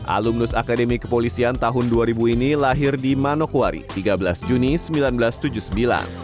alumnus akademi kepolisian tahun dua ribu ini lahir di manokwari tiga belas juni seribu sembilan ratus tujuh puluh sembilan